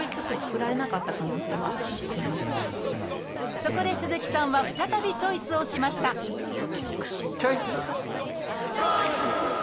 そこで鈴木さんは再びチョイスをしましたチョイス！